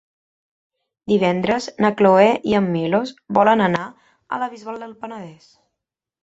Divendres na Cloè i en Milos volen anar a la Bisbal del Penedès.